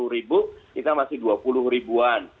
tiga puluh delapan empat puluh ribu kita masih dua puluh ribuan